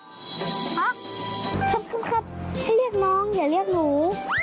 ครับให้เรียกน้องอย่าเรียกหนู